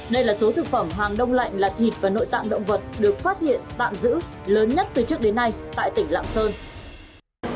đây là số thực phẩm hàng đông lạnh là thịt và nội tạng động vật được phát hiện tạm giữ lớn nhất từ trước đến nay tại tỉnh lạng sơn